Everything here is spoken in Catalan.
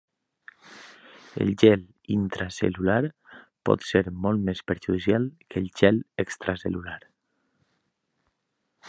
El gel intracel·lular pot ser molt més perjudicial que el gel extracel·lular.